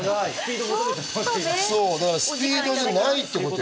だからスピードじゃないってこと。